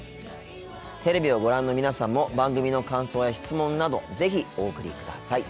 テレビをご覧の皆さんも番組の感想や質問など是非お送りください。